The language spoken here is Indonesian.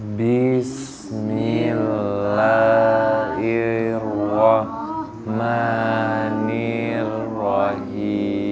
adiknya mau ikut belajar ngaji